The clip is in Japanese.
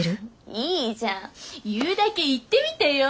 いいじゃん言うだけ言ってみてよ。